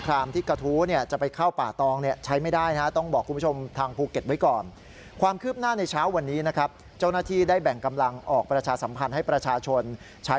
ครับมันต้องใช้เส้นทางอื่นแล้วนะค่ะ